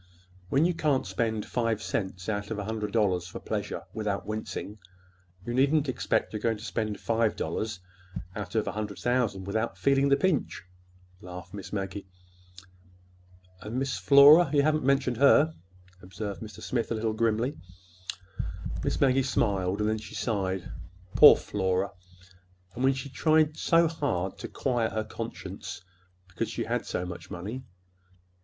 When you can't spend five cents out of a hundred dollars for pleasure without wincing, you needn't expect you're going to spend five dollars out of a hundred thousand without feeling the pinch," laughed Miss Maggie. "And Miss Flora? You haven't mentioned her," observed Mr. Smith, a little grimly. Miss Maggie smiled; then she sighed. "Poor Flora—and when she tried so hard to quiet her conscience because she had so much money!